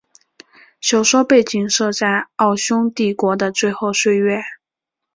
小说背景设在奥匈帝国的最后岁月。